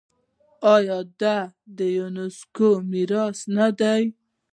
آیا دا د یونیسکو میراث نه دی؟